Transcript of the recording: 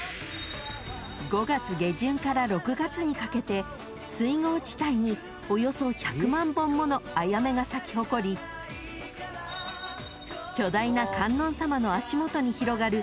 ［５月下旬から６月にかけて水郷地帯におよそ１００万本ものアヤメが咲き誇り巨大な観音様の足元に広がる